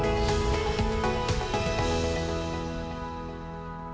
terima kasih banyak